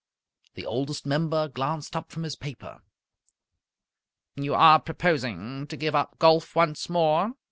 The Oldest Member glanced up from his paper. "You are proposing to give up golf once more?"